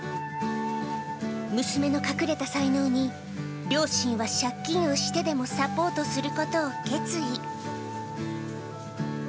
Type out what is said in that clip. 娘の隠れた才能に、両親は借金をしてでもサポートすることを決意。